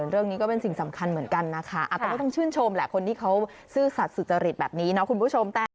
เรื่องนี้ก็เป็นสิ่งสำคัญเหมือนกันนะคะแต่ก็ต้องชื่นชมแหละคนที่เขาซื่อสัตว์สุจริตแบบนี้เนาะคุณผู้ชม